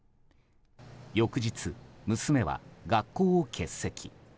翌日、娘は学校を欠席。